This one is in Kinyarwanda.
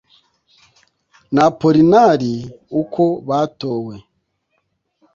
N'Apolinari uko batowe